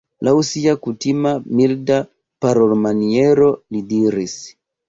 Laŭ sia kutima milda parolmaniero li diris: